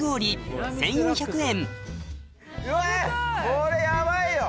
これヤバいよ！